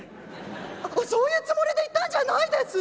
「そういうつもりで言ったんじゃないです。